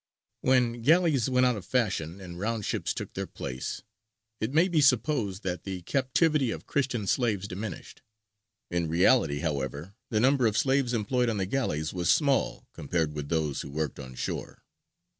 When galleys went out of fashion, and "round ships" took their place, it may be supposed that the captivity of Christian slaves diminished. In reality, however, the number of slaves employed on the galleys was small compared with those who worked on shore.